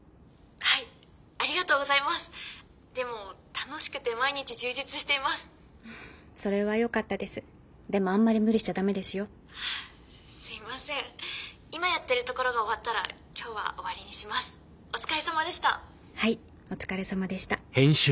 はいお疲れさまでした。